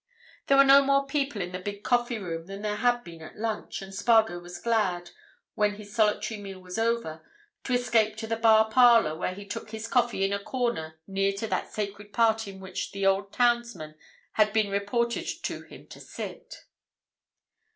There were no more people in the big coffee room than there had been at lunch and Spargo was glad, when his solitary meal was over, to escape to the bar parlour, where he took his coffee in a corner near to that sacred part in which the old townsmen had been reported to him to sit.